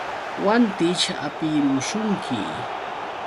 Wantićh hapirushunki.